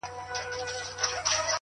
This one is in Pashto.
o اسي پوهېږي، دوږخ ئې.